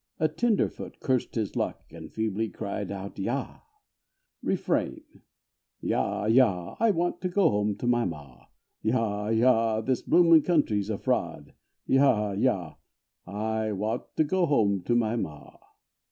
A tenderfoot cursed his luck And feebly cried out "yah!" Refrain: Yah! Yah! I want to go home to my ma! Yah! Yah! this bloomin' country's a fraud! Yah! Yah! I want to go home to my ma!